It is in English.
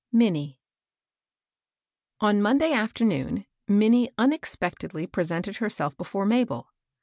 HINNIE. i^ ^^^^^'<—. N Monday afternoon, Minnie unexpectedly presented herself before Mabel.